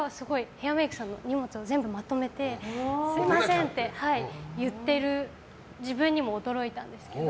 ヘアメイクさんの荷物をまとめてすみませんって言っている自分にも驚いたんですけど。